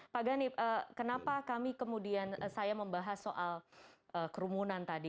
pak ganip kenapa kami kemudian saya membahas soal kerumunan tadi